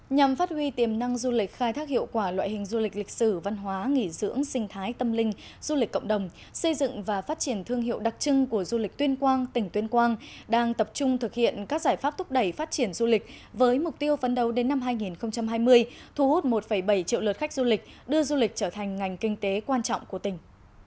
nhằm phát huy tiềm năng du lịch khai thác hiệu quả loại hình du lịch lịch sử văn hóa nghỉ dưỡng sinh thái tâm linh du lịch cộng đồng xây dựng và phát triển thương hiệu đặc trưng của du lịch tuyên quang tỉnh tuyên quang đang tập trung thực hiện các giải pháp thúc đẩy phát triển du lịch với mục tiêu phấn đấu đến năm hai nghìn hai mươi thu hút một bảy triệu lượt khách du lịch đưa du lịch trở thành ngành kinh tế quan trọng của tỉnh